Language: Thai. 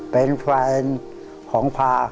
เป็นแฟนของพา